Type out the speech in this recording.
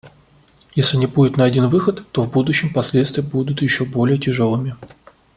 Если не будет найден выход, то в будущем последствия будут еще более тяжелыми.